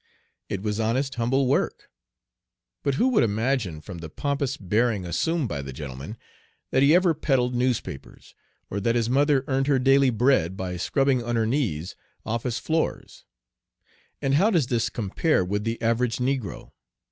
It was honest, humble work. But who would imagine from the pompous bearing assumed by the gentleman that he ever peddled newspapers, or that his mother earned her daily bread by scrubbing on her knees office floors? And how does this compare with the average negro?